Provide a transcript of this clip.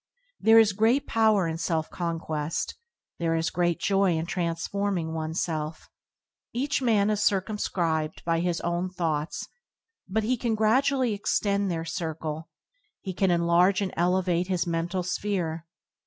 There is great power in self con quest; there is great joy in transforming one self. Each man is circumscribed by his own thoughts, but he can gradually extend their circle; he can enlarge and elevate his men tal sphere.